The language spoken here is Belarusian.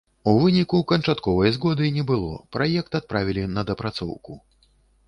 У выніку і канчатковай згоды не было, праект адправілі на дапрацоўку.